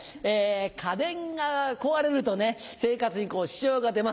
家電が壊れると生活に支障が出ます。